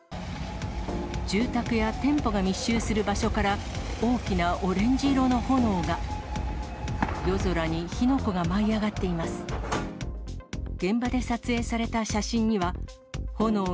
住宅や店舗が密集する場所から大きなオレンジ色の炎が。